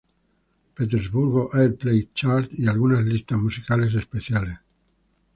Petersburg Airplay Chart y algunas listas musicales especiales.